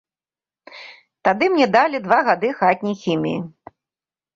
Тады мне далі два гады хатняй хіміі.